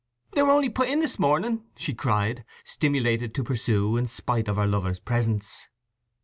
"They were only put in this morning!" she cried, stimulated to pursue in spite of her lover's presence.